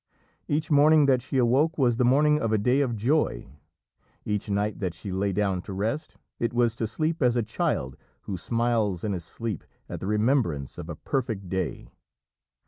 Each morning that she awoke was the morning of a day of joy; each night that she lay down to rest, it was to sleep as a child who smiles in his sleep at the remembrance of a perfect day.